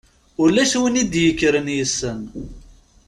Ulac win i d-ikkren yessen.